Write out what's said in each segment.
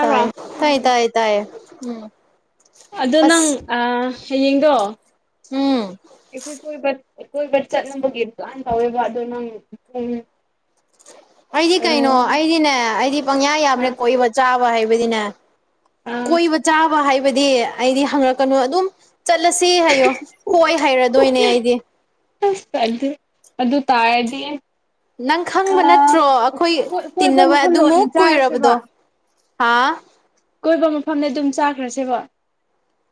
ꯇꯥꯏ ꯇꯥꯏ ꯇꯥꯏ ꯇꯥꯏꯌꯦ ꯎꯝ ꯑꯗꯣ ꯅꯪ ꯍꯌꯦꯡꯗꯣ ꯎꯝ ꯑꯩꯈꯣꯏ ꯀꯣꯏꯕ ꯀꯣꯏꯕ ꯆꯠꯅꯕꯒꯤ ꯄꯂꯥꯟ ꯇꯧꯋꯦꯕ ꯑꯗꯣ ꯅꯪ ꯄꯨꯡ ꯑꯩꯗꯤ ꯀꯩꯅꯣ ꯑꯩꯗꯤꯅꯦ ꯑꯩꯗꯤ ꯄꯪꯌꯥ ꯌꯥꯕꯅꯦ ꯀꯣꯏꯕ ꯆꯥꯕ ꯍꯥꯏꯕꯗꯤꯅꯦ ꯀꯣꯏꯕ ꯆꯥꯕ ꯍꯥꯏꯕꯗꯤ ꯑꯩꯗꯤ ꯍꯪꯉꯛꯀꯅꯨ ꯑꯗꯨꯝ ꯆꯠꯂꯁꯤ ꯍꯥꯏꯌꯣ ꯍꯣꯏ ꯍꯥꯏꯔꯗꯣꯏꯅꯦ ꯑꯩꯗꯤ ꯑꯁ ꯑꯗꯨ ꯑꯗꯨ ꯇꯥꯔꯗꯤ ꯅꯪ ꯈꯪꯕ ꯑꯥ ꯅꯠꯇ꯭ꯔꯣ ꯑꯩꯈꯣꯏ ꯀꯣꯏꯕ ꯇꯤꯟꯅꯕ ꯃꯐꯝꯗ ꯑꯣꯏꯅ ꯑꯗꯨꯃꯨꯛ ꯆꯥꯔꯁꯦꯕ ꯀꯨꯏꯔꯕꯗꯣ ꯍꯥ ꯀꯣꯏꯕ ꯃꯐꯝꯗ ꯑꯗꯨꯝ ꯆꯥꯈ꯭ꯔꯁꯦꯕ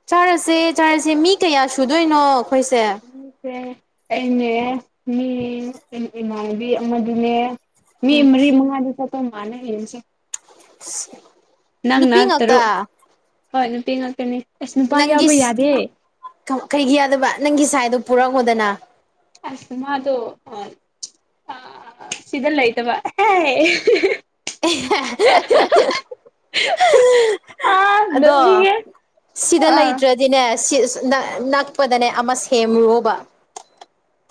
ꯆꯥꯔꯁꯦ ꯆꯥꯔꯁꯦ ꯃꯤ ꯀꯌꯥ ꯁꯨꯗꯣꯏꯅꯣ ꯑꯩꯈꯣꯏꯁꯦ ꯃꯤꯁꯦ ꯑꯩꯅꯦ ꯃꯤ ꯏꯃꯥꯟꯅꯕꯤ ꯑꯃꯗꯨꯅꯦ ꯃꯤ ꯃꯔꯤ ꯃꯉꯥꯗꯤ ꯆꯠꯇꯧ ꯃꯥꯜꯂꯦ ꯍꯥꯌꯦꯡꯁꯦ [unintelligible] ꯅꯪꯅ ꯉꯥꯛꯇ ꯇꯔꯨꯛ ꯍꯣꯏ ꯅꯨꯄꯤ ꯉꯥꯛꯇꯅꯤ ꯑꯁ ꯅꯨꯄꯥ ꯅꯪꯒꯤ ꯌꯥꯎꯕ ꯌꯥꯗꯦ ꯀꯩꯒꯤ ꯌꯥꯗꯕ ꯅꯪꯒꯤ ꯁꯥꯏꯗꯣ ꯄꯨꯔꯛꯑꯣꯗꯅ ꯑꯁ ꯃꯥꯗꯣ ꯑꯥ ꯁꯤꯗ ꯂꯩꯇꯕ ꯑꯥ [inaudible] ꯑꯗꯣ ꯅꯣꯛꯅꯤꯡꯉꯦ ꯁꯤꯗ ꯑꯥ ꯂꯩꯇ꯭ꯔ ꯗꯤꯅꯦꯁ ꯁꯤ ꯅꯛ ꯅꯛꯄꯗꯅꯦ ꯑꯃ ꯁꯦꯝꯔꯣꯕ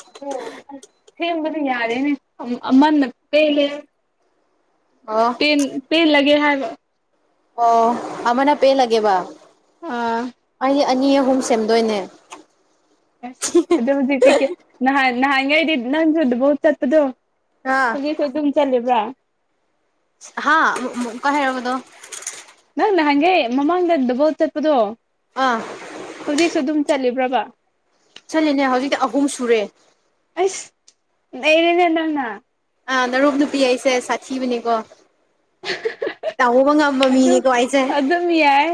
ꯑꯗꯣ ꯑꯁ ꯁꯦꯝꯕꯗꯨ ꯌꯥꯔꯦꯅꯦ ꯑꯃꯟꯅ ꯄꯦꯜꯂꯦ ꯑꯣ ꯄꯦꯟ ꯄꯦꯟꯂꯒꯦ ꯍꯥꯏꯔꯣ ꯑꯣ ꯑꯃꯅ ꯄꯦꯜꯂꯒꯦꯕ ꯑꯥ ꯑꯩꯗꯤ ꯑꯅꯤ ꯑꯍꯨꯝ ꯁꯦꯝꯗꯣꯏꯅꯦ ꯑꯁ ꯑꯗꯨ ꯍꯧꯖꯤꯛꯇꯤ ꯀꯦ ꯅꯍꯥꯟ ꯅꯍꯥꯟ ꯒꯩꯗꯤ ꯅꯪꯁꯨ ꯗꯨꯕꯣꯠꯆꯠꯄꯗꯣ ꯑꯥ ꯍꯧꯖꯤꯛꯁꯨ ꯑꯗꯨꯝ ꯆꯠꯂꯤꯕ꯭ꯔꯥ ꯍꯥ ꯑꯃꯨꯛ ꯑꯃꯨꯛꯀꯥ ꯍꯥꯏꯔꯛꯑꯣꯗꯣ ꯅꯪ ꯅꯍꯥꯟꯒꯩ ꯃꯃꯥꯡꯗ ꯗꯨꯕꯣꯠ ꯆꯠꯄꯗꯣ ꯑꯥ ꯍꯧꯖꯤꯛꯁꯨ ꯑꯗꯨꯝ ꯆꯠꯂꯤꯕ꯭ꯔꯕ ꯆꯠꯂꯤꯦꯅꯦ ꯍꯧꯖꯤꯛꯇꯤ ꯑꯍꯨꯝ ꯁꯨꯔꯦ ꯑꯁ ꯂꯩꯩꯔꯅꯗꯅ ꯑꯥ ꯅꯔꯨꯞ ꯅꯨꯄꯤ ꯍꯥꯏꯁꯦ ꯁꯥꯊꯤꯕꯅꯤꯀꯣ ꯇꯥꯍꯣ ꯃꯪ ꯑꯝꯕ ꯑꯗꯨ ꯃꯤꯅꯤ ꯀ ꯋꯥꯏꯆꯦ ꯑꯗꯨꯝ ꯌꯥꯏ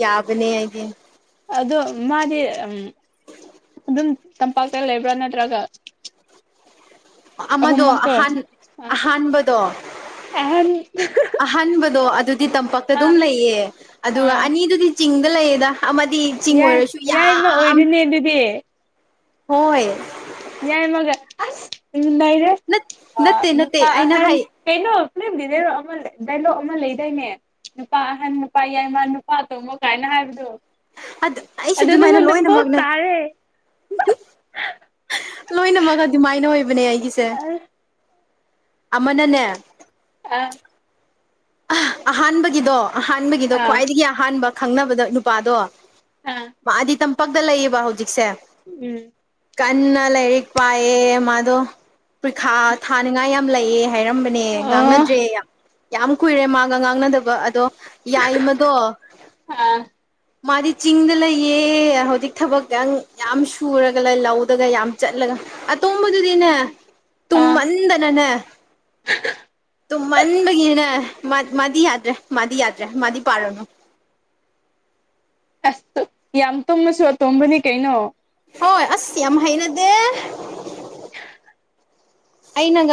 ꯌꯥꯕꯅꯦ ꯍꯥꯏꯒꯤ ꯑꯗꯣ ꯃꯥꯗꯤ ꯑꯗꯨꯝ ꯇꯝꯄꯥꯛꯇ ꯂꯩꯕ꯭ꯔꯥ ꯅꯠꯇ꯭ꯔꯒ ꯑꯃꯗꯣ ꯑꯍꯨꯝꯃꯛꯇꯣ ꯑꯍ ꯑꯍꯥꯟꯕꯗꯣ ꯑꯍꯟ ꯑꯍꯥꯟꯕꯗꯣ ꯑꯗꯨꯗꯤ ꯇꯝꯄꯥꯛꯛꯇ ꯑꯥ ꯑꯗꯨꯝ ꯂꯩꯌꯦ ꯑꯗꯨꯒ ꯑꯥ ꯑꯅꯤꯗꯨꯗꯤ ꯆꯤꯡꯗ ꯂꯩꯌꯦꯗ ꯑꯃꯗꯤ ꯆꯤꯡ ꯑꯣꯏꯔꯁꯨ ꯌꯥꯝ ꯌꯦ ꯑꯗꯨꯗꯤ ꯍꯣꯏ ꯌꯥꯏꯃꯒ ꯑꯁ ꯂꯩꯔꯦ ꯅꯠꯇꯦ ꯅꯠꯇꯦ ꯅꯨꯄꯥ ꯑꯩꯅ ꯑꯍꯟ ꯍꯥꯏ ꯀꯩꯅꯣ ꯐꯤꯂꯝ ꯗꯤꯗꯥꯔꯣ ꯑꯃ ꯗꯥꯏꯂꯣꯛ ꯑꯃ ꯂꯩꯗꯥꯏꯅꯦ ꯅꯨꯄꯥ ꯑꯍꯟ ꯅꯨꯄꯥ ꯌꯥꯏꯃ ꯅꯨꯄꯥ ꯇꯣꯝꯃꯣ ꯀꯥꯏꯅ ꯍꯥꯏꯕꯗꯣ ꯑꯩꯁꯦ ꯑꯗꯨ ꯑꯗꯨꯃꯥꯏꯅ ꯅꯉꯣꯟꯗ ꯄꯣꯛꯞ ꯂꯣꯏꯅꯃꯛꯅꯦ ꯇꯥꯔꯦ ꯂꯣꯏꯅꯃꯛ ꯑꯗꯨꯃꯥꯏꯅ ꯑꯣꯏꯕꯅꯦ ꯑꯩꯒꯤꯁꯦ ꯑꯥ ꯑꯃꯅꯅꯦ ꯑ ꯑꯍꯥꯟꯕꯒꯤꯗꯣ ꯑꯍꯥꯟꯕꯒꯤꯗꯣ ꯑꯥ ꯈ꯭ꯋꯥꯏꯗꯒꯤ ꯑꯍꯥꯟꯕ ꯈꯪꯅꯕꯗꯣ ꯅꯨꯄꯥꯗꯣ ꯑꯥ ꯃꯥꯗꯤ ꯇꯝꯄꯥꯛꯛꯇ ꯂꯩꯌꯦꯕ ꯍꯧꯖꯤꯛꯁꯦ ꯎꯝ ꯀꯟꯅ ꯂꯥꯏꯔꯤꯛ ꯄꯥꯏꯌꯦ ꯃꯥꯗꯣ ꯄ꯭ꯔꯤꯈꯥ ꯊꯥꯅꯤꯡꯉꯥꯏ ꯌꯥꯝ ꯂꯩꯑ ꯍꯥꯏꯔꯝꯕꯅꯦ ꯑꯣ ꯉꯥꯡꯅꯗ꯭ꯔꯦ ꯌꯥꯝ ꯀꯨꯏꯔꯦ ꯃꯥꯒ ꯉꯥꯡꯅꯗꯕ ꯑꯗꯣ ꯌꯥꯏꯃꯗꯣ ꯑꯥ ꯃꯥꯗꯤ ꯆꯤꯡꯗ ꯂꯩꯌꯦ ꯍꯧꯖꯤꯛ ꯊꯕꯛꯪ ꯌꯥꯝ ꯁꯨꯔꯒ ꯂꯩ ꯂꯧꯗꯒ ꯌꯥꯝ ꯆꯠꯂꯒ ꯑꯇꯣꯝꯕꯗꯨꯗꯤꯅꯦ ꯑꯣ ꯑꯥ ꯇꯨꯝꯃꯟꯗꯅꯅꯦ ꯇꯨꯝꯃꯟꯕꯒꯤꯅꯦ ꯃꯥꯗꯤ ꯌꯥꯗ꯭ꯔꯦ ꯃꯥꯗꯤ ꯌꯥꯗ꯭ꯔꯦ ꯃꯥꯗꯤ ꯄꯥꯔꯅꯨ ꯑꯁ ꯌꯥꯝ ꯇꯨꯝꯃꯁꯨ ꯑꯇꯣꯝꯕꯅꯤ ꯀꯩꯅꯣ ꯍꯣꯏ ꯑꯁ ꯌꯥꯝ ꯍꯩꯅꯗꯦ ꯑꯩꯅ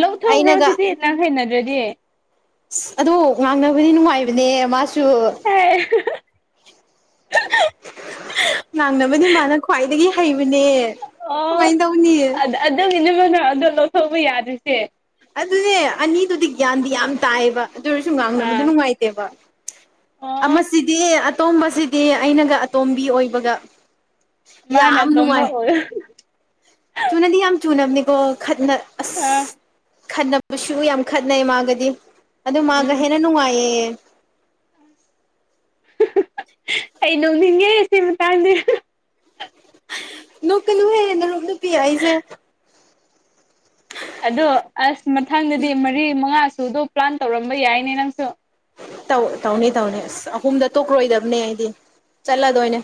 ꯂꯧꯊꯣꯛꯈ꯭ꯔꯣ ꯑꯗꯨꯗꯤ ꯅꯪ ꯍꯩꯅꯗ꯭ꯔꯗꯤ ꯑ ꯑꯗꯣ ꯉꯥꯡꯅꯕꯗꯤ ꯅꯨꯡꯉꯥꯏꯕꯅꯦ ꯃꯥꯁꯨ ꯑꯦ ꯉꯥꯡꯅꯕꯅꯤ ꯃꯥꯅ ꯈ꯭ꯋꯥꯏꯗꯒꯤ ꯍꯩꯕꯅꯦ ꯑꯣ ꯀꯃꯥꯏ ꯇꯧꯅꯤ ꯑꯗꯨꯒꯤꯅꯦꯕꯅ ꯑꯗꯣ ꯂꯧꯊꯣꯛꯧꯕ ꯌꯥꯗ꯭ꯔꯤꯁꯦ ꯑꯗꯨꯅꯦ ꯑꯅꯤꯗꯨꯗꯤ ꯒ꯭ꯌꯥꯟꯗꯤ ꯌꯥꯝ ꯇꯥꯏꯕ ꯑꯗꯨ ꯑꯣꯏꯔꯁꯨ ꯉꯥꯡꯅꯕꯗꯨ ꯑꯥ ꯅꯨꯡꯉꯥꯏꯇꯦꯕ ꯑꯣ ꯑꯃꯁꯤꯗꯤ ꯑꯇꯣꯝꯕꯁꯤꯗꯤ ꯑꯩꯅꯒ ꯑꯇꯣꯝꯕꯤ ꯑꯣꯏꯕꯒ ꯃꯥꯅꯦ ꯌꯥꯝ ꯇ ꯍ ꯅꯨꯡꯉꯥꯏ ꯆꯨꯅꯗꯤ ꯌꯥꯝ ꯆꯨꯅꯕꯅꯤꯀꯣ ꯈꯠꯅ ꯑ ꯑꯁ ꯈꯠꯅꯕꯁꯨ ꯌꯥꯝ ꯈꯠꯅꯩ ꯃꯥꯒꯗꯤ ꯑꯗꯨ ꯃꯥꯒ ꯎꯝ ꯍꯦꯟꯅ ꯅꯨꯡꯉꯥꯏꯌꯦ ꯑꯩ ꯅꯣꯡꯅꯤꯡꯉꯦ ꯁꯤ ꯃꯇꯥꯡꯗꯤ ꯅ ꯀ ꯂꯨꯍꯦ ꯅꯅ ꯄꯤꯌꯥꯏꯁꯦ ꯑꯗꯣ ꯑꯁ ꯃꯊꯪꯗꯗꯤ ꯃꯔꯤ ꯃꯉꯥ ꯁꯨꯗꯣ ꯄ꯭ꯂꯥꯟ ꯇꯧꯔꯝꯕ ꯌꯥꯏꯅꯦ ꯅꯪꯁꯨ ꯇꯧ ꯇꯧꯅꯤ ꯇꯧꯅꯤ ꯑꯁ ꯑꯍꯨꯝꯗ ꯇꯣꯛꯔꯣꯏꯗꯕꯅꯦ ꯍꯥꯏꯗꯤ ꯆꯠꯂꯗꯣꯏꯅꯦ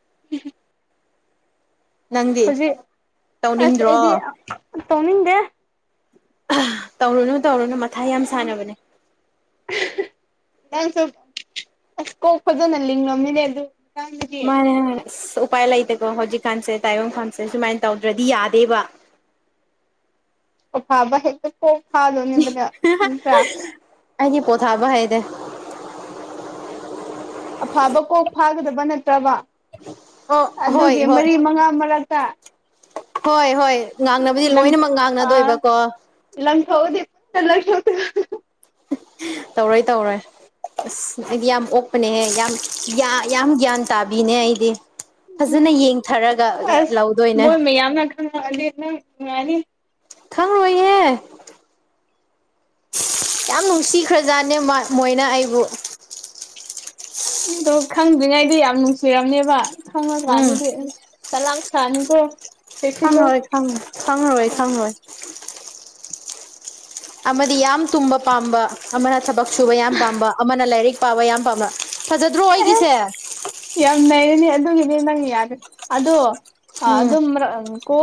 [inaudible] ꯅꯪꯗꯤ ꯍꯧꯖꯤꯛ ꯑꯁ ꯇꯧꯅꯤꯡꯗ꯭ꯔꯣ ꯑꯩꯗꯤ ꯇꯧꯅꯤꯡꯗꯦ ꯇꯧꯔꯨꯅꯨ ꯇꯧꯔꯨꯅꯨ ꯃꯊꯥ ꯌꯥꯝ ꯁꯥꯟꯅꯕꯅꯦ ꯅ ꯅꯪꯁꯨ ꯑꯁ ꯀꯣꯛ ꯐꯖꯅ ꯂꯤꯡꯉꯝꯃꯤꯅꯦ ꯑꯗꯨ ꯃꯇꯥꯡꯗꯗꯤ ꯃꯥꯅꯦꯅꯦ ꯑꯁ ꯎꯄꯥꯏ ꯂꯩꯇꯦꯀꯣ ꯍꯧꯖꯤꯛꯀꯥꯟꯁꯦ ꯇꯥꯏꯕꯪ ꯀꯥꯟꯁꯦ ꯁꯨꯃꯥꯏꯅ ꯇꯧꯗ꯭ꯔꯗꯤ ꯌꯥꯗꯦꯕ ꯑꯣꯐꯥꯕ ꯍꯦꯛꯇ ꯀꯣꯛ ꯐꯥꯗꯣꯏꯅꯦꯕꯅ ꯅꯠꯇ꯭ꯔꯥ ꯑꯩꯗꯤ ꯄꯣꯊꯥꯕ ꯍꯥꯏꯗꯦ ꯑꯐꯥꯕ ꯀꯣꯛ ꯐꯥꯒꯗꯕ ꯅꯠꯇ꯭ꯔꯕ ꯑꯣ ꯍꯣꯏ ꯑꯗꯨꯒꯤ ꯍꯣꯏ ꯃꯔꯤ ꯃꯉꯥ ꯃꯔꯛꯇ ꯍꯣꯏ ꯍꯣꯏ ꯉꯥꯡꯅꯕꯗꯤ ꯂꯣꯏꯅꯃꯛ ꯉꯥꯡꯅꯗꯣꯏꯕꯀꯣ ꯂꯪ ꯊꯧꯗꯦ ꯄꯨ ꯂ ꯇꯧꯔꯣꯏ ꯇꯧꯔꯣꯏ ꯑꯁ ꯑꯩꯗꯤ ꯌꯥꯝ ꯑꯣꯛꯄꯅꯦꯍꯦ ꯌꯥꯝ ꯌꯥꯝ ꯒ꯭ꯌꯥꯟ ꯇꯥꯕꯤꯅꯦ ꯑꯩꯗꯤ ꯐꯖꯅ ꯌꯦꯡꯊꯔꯒ ꯂꯧꯗꯣꯏꯅꯦ ꯃ ꯌꯥꯝꯅ ꯗ ꯌꯥꯅꯤ ꯈꯪꯔꯣꯏꯍꯦ ꯌꯥꯝ ꯅꯨꯡꯁꯤꯈ꯭ꯔꯖꯥꯠꯅꯦ ꯃꯣꯏꯅ ꯑꯩꯕꯨ ꯑꯗꯣ ꯈꯪꯗ꯭ꯔꯤꯉꯩꯗꯤ ꯌꯥꯝ ꯅꯨꯡꯁꯤꯔꯔꯕꯅꯦꯕ ꯈꯪꯉ ꯎꯝ ꯀꯥꯟꯗꯗꯤ ꯇ ꯂꯥꯛ ꯊꯅꯤꯀꯣ ꯈꯪꯉꯣꯏ ꯈꯪꯉ ꯈꯪꯉꯔꯣꯏ ꯈꯪꯉꯣꯏ ꯑꯃꯗꯤ ꯌꯥꯝ ꯇꯨꯝꯕ ꯄꯥꯝꯕ ꯑꯃꯅ ꯊꯕꯛ ꯁꯨꯕ ꯌꯥꯝ ꯄꯥꯝꯕ ꯑꯃꯅ ꯂꯥꯏꯔꯤꯛ ꯄꯥꯕ ꯌꯥꯝ ꯄꯥꯝꯕ ꯐꯖꯗ꯭ꯔꯣ ꯑꯦ ꯑꯩꯒꯤꯁꯦ ꯌꯥꯝ ꯂꯩꯔꯅꯦ ꯑꯗꯨꯒꯤꯅꯦ ꯅꯪ ꯌꯥꯔꯦ ꯑꯗꯣ ꯎꯝ ꯑꯗꯨꯝ ꯀꯣ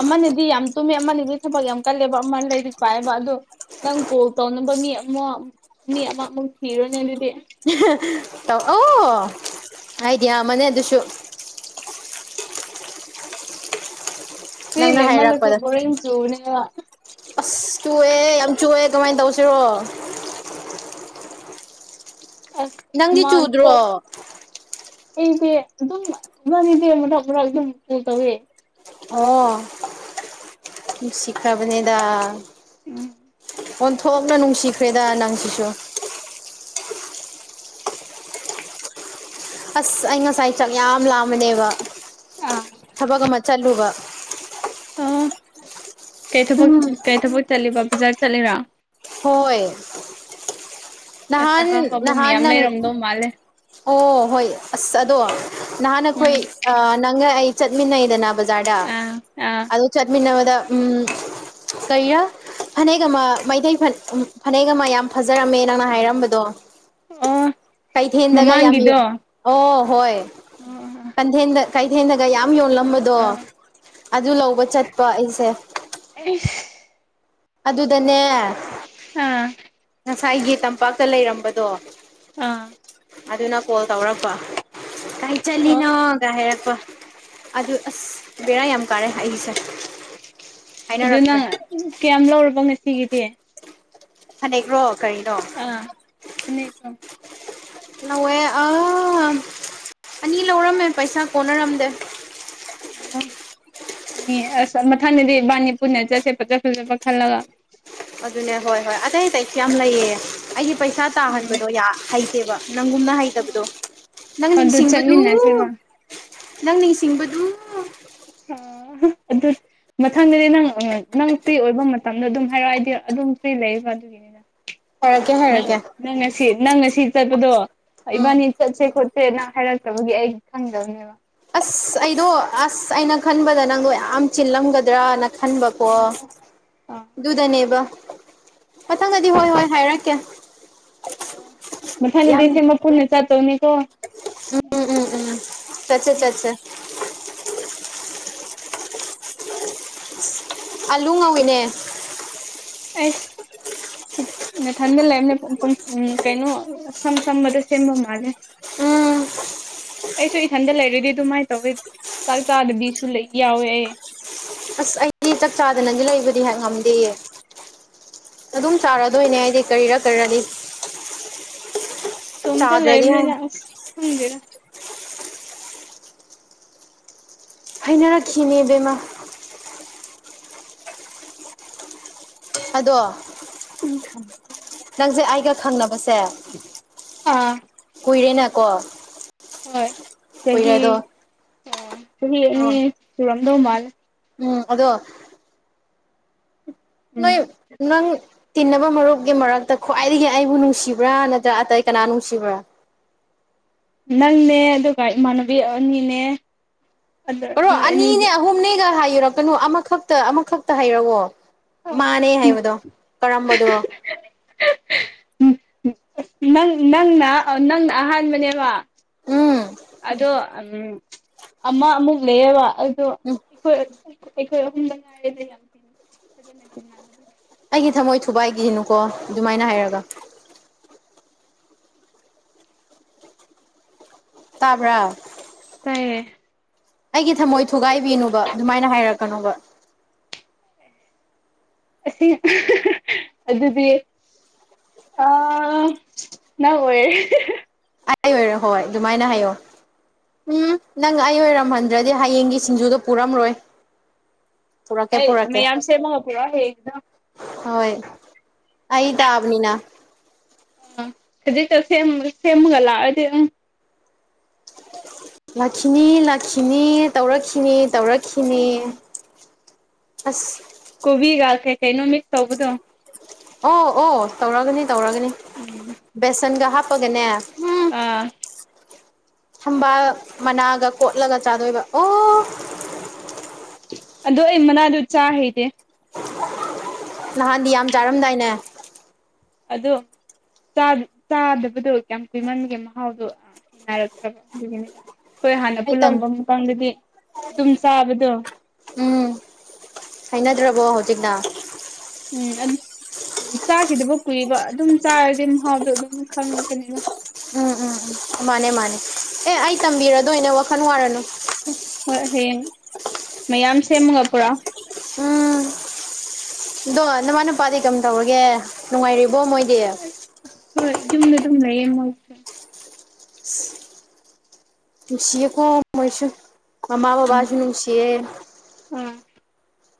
ꯑꯃꯅꯗꯤ ꯌꯥꯝ ꯇꯨꯝꯃꯦ ꯑꯃꯗꯤ ꯊꯕꯛ ꯌꯥꯝ ꯀꯜꯂꯦꯕ ꯑꯃ ꯂꯔꯤꯛ ꯄꯥꯏꯑꯕ ꯑꯗꯣ ꯅꯪ ꯀꯣꯜ ꯇꯧꯅꯕ ꯃꯤ ꯑꯃ ꯃꯤ ꯑꯃꯃꯨꯛ ꯊꯤꯔꯨꯅꯦ ꯑꯗꯨꯗꯤ ꯇꯧ ꯑꯣ ꯑꯥꯏꯗꯤꯌꯥ ꯑꯃꯅꯦ ꯑꯗꯨꯁꯨ ꯐꯔꯤ ꯅꯪꯅ ꯂꯩꯃꯜ ꯂꯁꯨ ꯍꯥꯏꯔꯛꯄꯗ ꯁꯨ ꯑ ꯆꯨꯑꯦ ꯌꯥꯝ ꯆꯨꯑꯦ ꯀꯃꯥꯏꯅ ꯇꯧꯁꯤꯔꯣ ꯑ ꯅꯪꯗꯤ ꯑꯃ ꯏꯣ ꯆꯨꯗ꯭ꯔꯣ ꯑꯩꯗꯤ ꯑꯗꯨꯝ ꯏꯕꯅꯤꯗꯤ ꯃꯔꯛ ꯃꯔꯛ ꯑꯗꯨꯝ ꯀ ꯇꯧꯋꯦ ꯑꯣ ꯅꯨꯢꯁꯤꯈꯔꯕꯅꯦꯗ ꯎꯝ ꯑꯣꯟꯊꯣꯛꯅ ꯅꯨꯡꯁꯤꯈ꯭ꯔꯦꯗ ꯅꯪꯁꯤꯁꯨ ꯑꯁ ꯑꯩ ꯉꯁꯥꯏ ꯆꯥꯛ ꯌꯥꯝ ꯂꯥꯝꯕꯅꯦꯕ ꯑꯥ ꯊꯕꯛ ꯑꯃ ꯆꯠꯂꯨꯕ ꯑꯣ ꯀꯩ ꯊꯕꯛ ꯀꯩ ꯊꯕꯛ ꯆꯠꯂꯤꯕ ꯕꯖꯥꯔ ꯆꯠꯂꯤꯕꯥ ꯍꯣꯏ ꯅꯍꯥꯟ ꯅꯍꯥꯟ ꯅꯪ ꯃꯥꯂꯦ ꯑꯣ ꯍꯣꯏ ꯑꯁ ꯑꯗꯣ ꯅꯍꯥꯟꯈꯣꯏ ꯎꯝ ꯅꯪꯒ ꯑꯩ ꯆꯠꯃꯤꯟꯅꯩꯗꯅ ꯕꯖꯥꯔꯗ ꯑꯥ ꯑꯥ ꯑꯗꯨ ꯆꯠꯃꯤꯟꯅꯕꯗ ꯎꯝ ꯀꯩꯔꯥ ꯐꯅꯦꯛ ꯑꯃ ꯃꯩꯇꯩ ꯐꯅꯦꯛ ꯑꯃ ꯌꯥꯝ ꯐꯖꯔꯝꯃꯦ ꯅꯪꯅ ꯍꯥꯏꯔꯝꯕꯗꯣ ꯑꯣ ꯀꯩꯊꯦꯟꯗꯒ ꯌꯥꯝ ꯌ ꯃꯃꯥꯡꯒꯤꯗꯣ ꯑꯣ ꯍꯣꯏ ꯑꯥ ꯀꯊꯦꯟꯗ ꯀꯩꯊꯦꯟꯗꯒ ꯌꯥꯝ ꯌꯣꯂꯝꯕ ꯑꯗꯣ ꯑꯗꯨ ꯂꯧꯕ ꯆꯠꯄ ꯑꯩꯁꯦ ꯏꯁ ꯑꯗꯨꯗꯅꯦ ꯑꯥ ꯉꯁꯥꯏꯒꯤ ꯇꯝꯄꯥꯛꯇ ꯂꯩꯔꯝꯕꯗꯣ ꯑꯥ ꯑꯗꯨꯅ ꯀꯣꯜ ꯇꯧꯔꯕ ꯀꯥꯏ ꯑꯣ ꯆꯠꯂꯤꯅꯣ ꯍꯥꯏꯔꯛꯄ ꯑꯗꯨ ꯑꯁ ꯕꯦꯔꯥ ꯌꯥꯝ ꯀꯥꯔꯦ ꯍꯥꯏꯁꯦ ꯑꯗꯨꯅꯪ ꯀꯌꯥꯝ ꯂꯧꯔꯕ ꯉꯁꯤꯒꯤꯗꯤ ꯐꯅꯦꯛꯔꯣ ꯀꯔꯤꯅꯣ ꯑꯥ ꯐꯅꯦꯛ ꯂꯧꯑꯦ ꯑꯥ ꯑꯅꯤ ꯂꯧꯔꯝꯃꯦ ꯄꯩꯁꯥ ꯀꯣꯟꯅꯔꯝꯗꯦ ꯑꯣ ꯑꯁ ꯃꯊꯪꯗꯗꯤ ꯏꯕꯥꯅꯤ ꯄꯨꯅ ꯆꯠꯁꯦ ꯐꯠꯖ ꯐꯖꯕ ꯈꯜꯂꯒ ꯑꯗꯨꯅꯦ ꯍꯣꯏ ꯍꯣꯏ ꯑꯇꯩ ꯑꯇꯩꯁꯨ ꯌꯥꯝ ꯂꯩꯌꯦ ꯑꯩꯁ ꯄꯩꯁꯥ ꯎꯝ ꯇꯥꯍꯟꯕꯗꯣ ꯍꯩꯇꯦꯕ ꯅꯪꯒꯨꯝꯅ ꯍꯩꯇꯕꯗꯣ ꯅꯪ ꯑꯗꯨ ꯅꯤꯡꯁꯤꯡꯕꯗꯨ ꯆꯠꯃꯤꯟꯅꯁꯦꯕ ꯅꯪ ꯅꯤꯡꯁꯤꯡꯕꯗꯨ ꯑ ꯑꯗꯨ ꯃꯊꯪꯗꯗꯤ ꯅꯪ ꯅꯪ ꯐ꯭ꯔꯤ ꯑꯣꯏꯕ ꯃꯇꯝꯗ ꯑꯗꯨꯝ ꯍꯥꯏꯔꯛꯑꯣ ꯑꯩꯗꯤ ꯑꯗꯨꯝ ꯐ꯭ꯔꯤ ꯂꯩꯌꯦꯕ ꯑꯗꯨꯒꯤꯅꯤꯅ ꯍꯥꯏꯔꯛꯀꯦ ꯅꯪ ꯍꯥꯏꯔꯛꯀꯦ ꯅꯪ ꯉꯁꯤ ꯅꯪ ꯉꯁꯤ ꯆꯠꯄꯗꯣ ꯍ ꯏꯕꯥꯅꯤ ꯆꯠꯁꯦ ꯈꯣꯠꯁꯦ ꯅ ꯍꯥꯏꯔꯛꯇꯕꯒꯤ ꯑꯩ ꯈꯪꯗꯕꯅꯦꯕ ꯑꯁ ꯑꯩꯗꯣ ꯑꯁ ꯑꯩꯅ ꯈꯟꯕꯗ ꯅꯪꯗꯣ ꯌꯥꯝ ꯆꯤꯜꯂꯝꯒꯗ꯭ꯔꯥ ꯅ ꯈꯟꯕꯀꯣ ꯑꯥ ꯑꯗꯨꯗꯅꯦꯕ ꯃꯊꯪꯗꯗꯤ ꯍꯣꯏ ꯍꯣꯏ ꯍꯥꯏꯔꯛꯀꯦ ꯑ ꯌꯥꯝ ꯃꯊꯅꯨꯗꯁꯦꯃ ꯎꯝ ꯄꯨꯟꯅ ꯆꯥꯠꯇꯧꯅꯤꯀꯣ ꯆꯠꯆꯥꯦ ꯆꯠꯦ ꯑꯥꯂꯨ ꯉꯧꯋꯤꯅꯦ ꯑꯁ ꯃꯊꯟꯗ ꯂꯩꯔꯝꯅꯦ ꯎ ꯀꯩꯅꯣ ꯁꯝ ꯁꯝꯕꯗ ꯁꯦꯝꯕ ꯃꯥꯜꯂꯦ ꯎꯝ ꯑꯩꯁꯨ ꯏꯊꯟꯗ ꯂꯩꯔꯗꯤ ꯑꯗꯨꯃꯥꯏꯅ ꯇꯧꯋꯤ ꯆꯥꯛ ꯆꯥꯗꯕꯤꯁꯨ ꯂꯩ ꯌꯥꯎꯋꯦ ꯑꯩ ꯑꯁ ꯑꯩꯗꯤ ꯆꯥꯛ ꯆꯥꯗꯅꯁꯨ ꯂꯩꯕꯗꯤ ꯍꯦꯛ ꯉꯝꯗꯦꯌꯦ ꯑꯗꯨꯝ ꯆꯥꯔꯗꯣꯏꯅꯦ ꯍꯥꯏꯗꯤ ꯀꯔꯤꯔ ꯀꯔꯅꯤ ꯇꯣꯝꯇ ꯂ ꯆꯥꯗ꯭ꯔꯗꯤ ꯂꯩꯕꯂꯤ ꯍꯥꯏ ꯅ ꯊꯒꯦꯔ ꯍꯥꯏꯅ ꯔ ꯈꯈꯤꯅꯦꯕꯦꯝꯃ ꯑꯗꯣ ꯎ ꯅꯪꯁꯦ ꯑꯩꯒ ꯈꯪꯅꯕꯁꯦ ꯑꯥ ꯀꯨꯏꯔꯦꯅ ꯀꯣ ꯍꯣꯏ ꯆꯍꯤ ꯑꯣ ꯔꯝꯗꯧ ꯃꯥꯜ ꯎꯝ ꯑꯗꯣ ꯅ ꯎꯝ ꯅꯪ ꯇꯤꯟꯅꯕ ꯃꯔꯨꯞꯒꯤ ꯃꯔꯛꯇ ꯈ꯭ꯋꯥꯏꯗꯒꯤ ꯑꯩꯕꯨ ꯅꯨꯡꯁꯤꯕ꯭ꯔꯥ ꯅꯠꯇ꯭ꯔ ꯑꯇꯩ ꯀꯅꯥ ꯅꯨꯡꯁꯤꯕ꯭ꯔꯥ ꯅꯪꯅꯦ ꯑꯗꯨꯒ ꯏꯃꯥꯟꯅꯕꯤ ꯑꯅꯤꯅꯦ ꯑꯗ ꯃꯔꯣ ꯅꯣꯏ ꯑꯅꯤ ꯑꯅꯤꯅꯦ ꯑꯍꯨꯝꯅꯦꯒ ꯍꯥꯏ ꯌꯨꯔ ꯀꯩꯅꯣ ꯑꯃꯈꯛꯇ ꯑꯃꯈꯛꯇ ꯍꯥꯏꯔꯛꯋꯣ ꯃꯥꯅꯦ ꯍꯥꯏꯕꯗꯣ ꯀꯔꯝꯕꯗꯨꯔꯣ ꯅꯪ ꯅꯪꯅ ꯅꯪꯅ ꯑꯍꯥꯟꯕꯅꯦꯕ ꯎꯝ ꯑꯗꯣ ꯎꯝ ꯑꯃ ꯑꯃꯨꯛ ꯂꯩꯔꯕ ꯑꯗꯣ ꯎꯝ ꯑꯩꯈꯣꯏ ꯑꯩꯈꯣꯏ ꯑꯍꯨꯝꯗ ꯉꯥꯏꯔꯦꯒ ꯌꯥꯝ ꯊꯤꯅ ꯐꯖꯅ ꯊꯦꯡꯅꯕꯗ ꯑꯩꯒꯤ ꯊꯝꯃꯣꯏ ꯊꯨꯕꯥꯏꯒꯤꯅꯨꯀꯣ ꯑꯗꯨꯃꯥꯏꯅ ꯍꯥꯏꯔꯒ ꯇꯥꯕ꯭ꯔꯥ ꯇꯥꯏꯌꯦ ꯑꯩꯒꯤ ꯊꯝꯃꯣꯏ ꯊꯨꯒꯥꯏꯕꯤꯅꯨꯕ ꯑꯗꯨꯃꯥꯏꯅ ꯍꯥꯏꯔꯛꯀꯅꯣꯕ ꯑꯁꯤ ꯑꯗꯨꯗꯤ ꯑ ꯅꯈꯣꯏꯦ ꯑꯩ ꯑꯣꯏꯔꯦ ꯍꯣꯏ ꯑꯗꯨꯃꯥꯏꯅ ꯍꯥꯏꯌꯣ ꯎꯝ ꯅꯪ ꯑꯩ ꯑꯣꯏꯔꯝꯍꯟꯗ꯭ꯔꯗꯤ ꯍꯌꯦꯡꯒꯤ ꯁꯤꯡꯖꯨꯗꯣ ꯄꯨꯔꯝꯔꯣꯏ ꯄꯨꯔꯛꯀꯦ ꯑꯩ ꯄꯨꯔꯛꯀꯦ ꯃꯌꯥꯝ ꯁꯦꯝꯃꯉꯄꯣ ꯍꯦꯛ ꯍꯣꯏ ꯑꯩ ꯇꯥꯕꯅꯤꯅ ꯍꯧꯖꯤꯛꯇ ꯁꯦꯝ ꯁꯦꯝꯃꯒ ꯂꯥꯛꯑꯗꯤ ꯎ ꯂꯥꯛꯈꯤꯅꯤ ꯂꯥꯛꯈꯤꯅꯤ ꯇꯧꯔꯛꯈꯤꯅꯤ ꯇꯧꯔꯛꯈꯤꯅꯤ ꯎꯝ ꯑꯁ ꯀꯣꯕꯤꯒ ꯀꯩꯇꯦꯩꯅꯣ ꯃ ꯃꯤꯛꯁ ꯇꯧꯧꯕꯗꯣ ꯑꯣ ꯑꯣ ꯇꯧꯔꯒꯅꯤ ꯇꯧꯔꯒꯅꯤ ꯎꯝ ꯕꯦꯁꯟꯒ ꯍꯥꯞꯄꯒꯅꯦ ꯎꯝ ꯑꯥ ꯊꯝꯕꯥꯜ ꯃꯅꯥꯒ ꯀꯣꯠꯂꯒ ꯆꯥꯗꯣꯏꯕ ꯑꯣ ꯑꯗꯣ ꯑꯩ ꯃꯅꯥꯗꯨ ꯆꯥ ꯍꯩꯇꯦ ꯅꯍꯥꯟꯗꯤ ꯌꯥꯝ ꯆꯥꯔꯝꯗꯥꯏꯅꯦ ꯑꯗꯣ ꯆꯥꯗ-ꯆꯥꯗꯕꯗꯣ ꯀꯌꯥꯝ ꯀꯨꯏꯃꯟꯕꯒꯤ ꯃꯍꯥꯎꯗꯣ ꯑꯥ ꯍꯩꯅꯔꯛꯇ꯭ꯔꯕ ꯑꯗꯨꯒꯤꯅꯤꯗ ꯑꯩꯈꯣꯏ ꯍꯥꯟꯅ ꯍꯩꯇꯝ ꯄꯨꯜꯂꯝꯕ ꯃꯇꯝꯗꯗꯤ ꯑꯗꯨꯝ ꯆꯥꯕꯗꯣ ꯎꯝ ꯍꯩꯅꯗ꯭ꯔꯕꯣ ꯍꯧꯖꯤꯛꯅ ꯎꯝ ꯑ ꯆꯥꯈꯤꯗꯕ ꯀꯨꯏꯕ ꯑꯗꯨꯝ ꯆꯥꯔꯗꯤ ꯃꯍꯥꯎꯗꯣ ꯑꯗꯨꯝ ꯈꯪꯉꯛꯀꯅꯤꯕ ꯎꯝ ꯎꯝ ꯎꯝ ꯃꯥꯅꯦ ꯃꯥꯅꯦ ꯑꯦ ꯑꯩ ꯇꯝꯕꯤꯔꯗꯣꯏꯅꯦ ꯋꯥꯈꯜ ꯋꯥꯔꯅꯨ ꯍꯣꯏ ꯍꯌꯦꯡ ꯃꯌꯥꯝ ꯁꯦꯝꯃꯒ ꯄꯨꯔꯛꯑꯣ ꯎꯝ ꯑꯗꯣ ꯅꯃꯥ ꯅꯄꯥꯗꯤ ꯀꯝꯗꯧꯔꯤꯒꯦ ꯅꯨꯡꯉꯥꯏꯔꯤꯕꯣ ꯃꯣꯏꯗꯤ ꯍꯣꯏ ꯌꯨꯝꯗ ꯑꯗꯨꯝ ꯂꯩꯌꯦ ꯃꯣꯏ ꯅꯨꯡꯁꯤꯌꯦꯀꯣ ꯃꯣꯏꯁꯨ ꯃꯃꯥ ꯎꯝ ꯕꯕꯥꯁꯨ ꯅꯨꯡꯁꯤꯌꯦ ꯑꯥ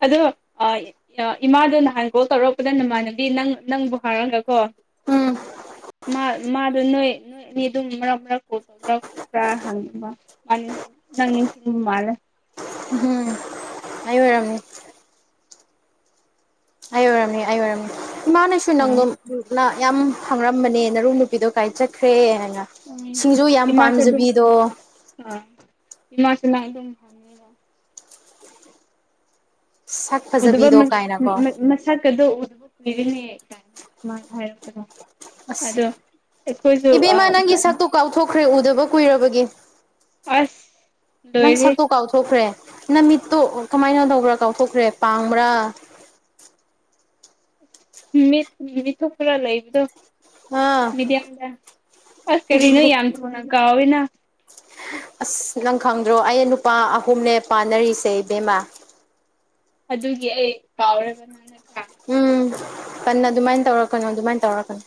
ꯑꯗꯣ ꯑꯥ ꯑ ꯏꯃꯥꯗꯣ ꯅꯍꯥꯟ ꯀꯣꯜ ꯇꯧꯔꯛꯄꯗ ꯅꯃꯥꯟꯅꯕꯤ ꯅꯪ ꯅꯪꯕꯨ ꯍꯥꯏꯔꯒꯀꯣ ꯎꯝ ꯃꯥ ꯃꯥꯗꯨ ꯅꯣꯏ ꯅꯣꯏ ꯑꯅꯤ ꯑꯗꯨꯝ ꯃꯔꯛ ꯃꯔꯛ ꯀꯣꯜ ꯇꯧꯕ꯭ꯔ ꯈꯣꯠꯄ꯭ꯔ ꯍꯪꯉꯦꯕ ꯃꯥꯅꯦ ꯅꯪꯅꯤ ꯁꯤꯅꯤ ꯃꯥꯜꯂꯦ ꯎꯍꯨꯝ ꯑꯩ ꯑꯣꯏꯔꯝꯅꯤ ꯅꯤ ꯑꯩ ꯑꯣꯏꯔꯝꯅꯤ ꯏꯃꯥꯅꯁꯨ ꯑꯥ ꯅꯪꯗꯨꯝ ꯗꯨ ꯂꯥꯥ ꯌꯥꯝ ꯍꯪꯔꯝꯕꯅꯦ ꯅꯔꯨ ꯅꯨꯄꯤꯗꯣ ꯀꯥꯏ ꯆꯠꯈ꯭ꯔꯦ ꯍꯥꯏꯅ ꯎꯝ ꯁꯤꯡꯖꯨ ꯌꯥꯝ ꯏꯃꯥꯁꯨ ꯑꯗꯨꯝ ꯄꯥꯝꯖꯕꯤꯗꯣ ꯑꯥ ꯏꯃꯥ ꯁꯤꯅ ꯑꯗꯨꯝ ꯍꯪꯉꯤꯗ ꯁꯛ ꯎꯗꯕ ꯐꯖꯕꯤꯗꯣ ꯃ ꯀꯥꯏꯅꯀꯣ ꯃ-ꯃ-ꯃꯁꯛꯀꯗꯣ ꯎꯗꯕ ꯀꯨꯏꯔꯦꯅꯦ ꯀꯥꯏꯅ ꯃꯥꯅ ꯍꯥꯏꯔꯛꯄꯗꯣ ꯑꯁ ꯑꯗꯣ ꯑꯩꯈꯣꯏꯖꯨ ꯑꯥ ꯏꯕꯦꯝꯃ ꯅꯪꯒꯤ ꯎꯔꯛꯑꯅꯤ ꯁꯛꯇꯣ ꯀꯥꯎꯊꯣꯛꯈ꯭ꯔꯦ ꯎꯗꯕ ꯀꯨꯏꯔꯕꯒꯤ ꯑꯁ ꯅꯪ ꯂꯣꯏꯔꯦ ꯁꯛꯇꯣ ꯀꯥꯎꯊꯣꯛꯈ꯭ꯔꯦ ꯅꯪ ꯃꯤꯠꯇꯣ ꯀꯃꯥꯏꯅ ꯇꯧꯕ꯭ꯔꯥ ꯀꯥꯎꯊꯣꯛꯈ꯭ꯔꯦ ꯄꯥꯡꯕ꯭ꯔꯥ ꯃꯤꯠ ꯃꯤꯊꯨꯞ ꯈꯔ ꯂꯩꯕꯗꯣ ꯑꯥ ꯃꯤꯗꯤꯌꯝꯗ ꯑꯁ ꯀꯔꯤꯅꯣ ꯌꯥꯝ ꯊꯨꯅ ꯀꯥꯎꯏꯅ ꯑꯁ ꯅꯪ ꯈꯪꯗ꯭ꯔꯣ ꯑꯩ ꯅꯨꯄꯥ ꯑꯍꯨꯝꯅꯦ ꯄꯥꯟꯅꯔꯤꯁꯦ ꯏꯕꯦꯝꯃꯥ ꯑꯗꯨꯒꯤ ꯑꯩ ꯀꯥꯎꯔꯦꯕ ꯅꯪ ꯅꯠꯇ꯭ꯔ ꯎꯝ ꯍꯟꯅ ꯑꯗꯨꯃꯥꯏꯟ ꯇꯧꯔꯛꯀꯅꯨ ꯑꯗꯨꯃꯥꯏꯟ ꯇꯧꯔꯛꯀꯅꯨ